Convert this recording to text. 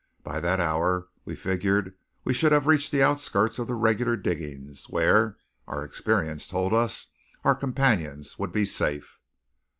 By that hour we figured we should have reached the outskirts of the regular diggings, where, our experience told us, our companions would be safe.